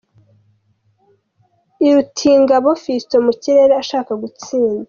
Irutingabo Fiston mu kirere ashaka gutsinda .